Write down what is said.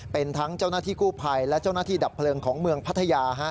เป็นทั้งเจ้าหน้าที่กู้ภัยและเจ้าหน้าที่ดับเพลิงของเมืองพัทยา